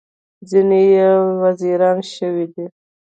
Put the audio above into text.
ځینې یې وزیران شوي دي.